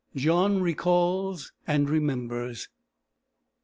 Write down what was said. JOHN RECALLS AND REMEMBERS.